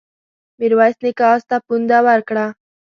ميرويس نيکه آس ته پونده ورکړه.